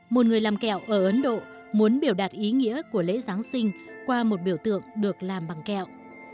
một người làm kẹo ở ấn độ muốn biểu đạt ý nghĩa của lễ giáng sinh qua một biểu tượng được làm bằng kẹo